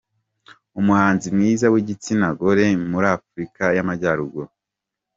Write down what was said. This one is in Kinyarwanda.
Umuhanzi mwiza w’igitsina gore muri Afurika y’Amajyaruguru.